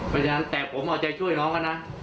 เพราะฉะนั้นแต่ผมเอาใจช่วยน้องเขานะ